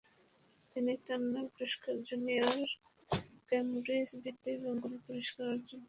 তিনি টার্নার পুরস্কার, junior Cambridge বৃত্তি এবং গণিত পুরস্কার অর্জন করেন।